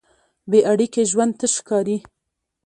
بېاړیکې ژوند تش ښکاري.